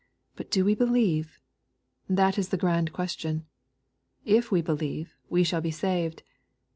But do we believe ? That is the grand question. If we believe, we shall be saved.